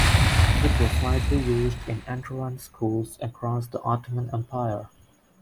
It was widely used in Enderun schools across the Ottoman Empire.